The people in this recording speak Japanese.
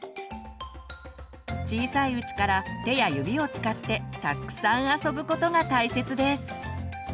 小さいうちから手や指を使ってたっくさん遊ぶことが大切です。